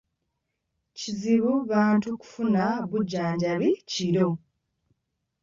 Kizibu bantu kufuna bujjanjabi kiro.